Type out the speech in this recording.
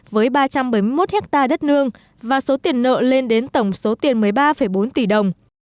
với ba trăm bảy mươi một hectare đất nương và số tiền nợ lên đến tổng số tiền một mươi ba bốn tỷ đồng